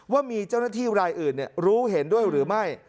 ว่ามีเจ้าหน้าที่รายอื่นรู้เห็นด้วยหรือไม่